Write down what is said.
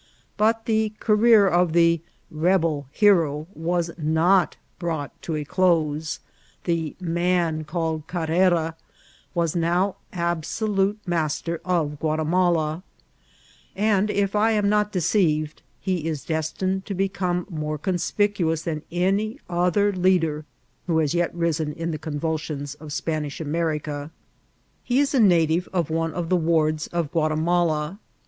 But the career of the ^^ rebel hero" was not brought to a close; the ^^ man called Carrera" was now absolute master of Ouatimala ; and, if I am not deceived, he is destined to become more conspicuous than any other leader who has yet risen in the convulsions of Spanish America. He is a native of one of the wards of Guatimala.